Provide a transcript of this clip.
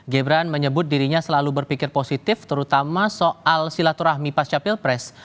gibran menyebut dirinya selalu berpikir positif terutama soal silaturahmi pasca pilpres